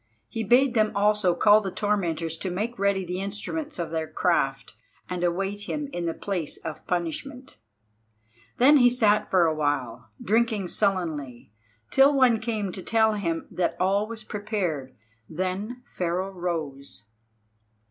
He bade them also call the tormentors to make ready the instruments of their craft, and await him in the place of punishment. Then he sat for awhile, drinking sullenly, till one came to tell him that all was prepared. Then Pharaoh rose.